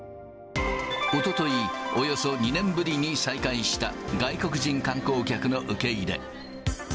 おととい、およそ２年ぶりに再開した、外国人観光客の受け入れ。